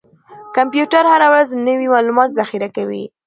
کمپیوټر هره ورځ نوي معلومات ذخیره کوي.